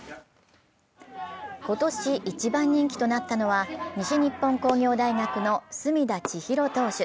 今年一番人気となったのは、西日本工業大学の隅田知一郎投手。